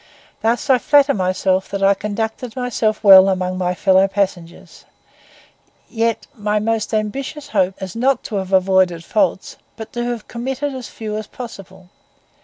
Thus I flatter myself that I conducted myself well among my fellow passengers; yet my most ambitious hope is not to have avoided faults, but to have committed as few as possible.